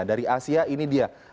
dari asia ini dia